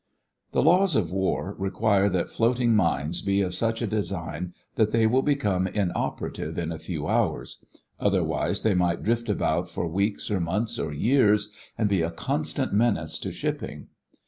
The laws of war require that floating mines be of such a design that they will become inoperative in a few hours; otherwise they might drift about for weeks or months or years and be a constant menace to shipping.